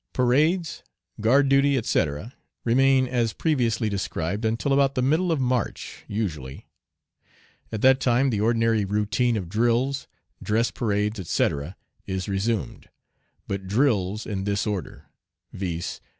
Parades, guard duty, etc., remain as previously described until about the middle of March usually. At that time the ordinary routine of drills, dress parades, etc., is resumed; but drills in this order, viz.